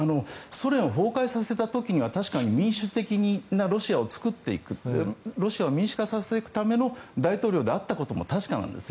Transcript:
ソ連を崩壊させた時には確かに民主的なロシアを作っていくロシアを民主化させていくための大統領であったことも確かなんです。